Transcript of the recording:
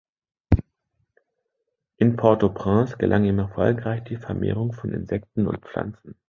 In Port-au-Prince gelang ihm erfolgreich die Vermehrung von Insekten und Pflanzen.